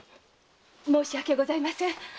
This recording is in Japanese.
申し訳ございません。